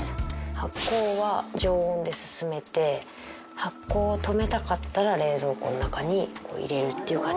発酵は常温で進めて発酵を止めたかったら冷蔵庫の中に入れるっていう感じです。